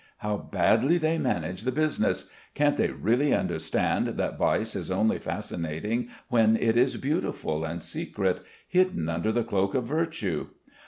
How badly they manage the business? Can't they really understand that vice is only fascinating when it is beautiful and secret, hidden under the cloak of virtue?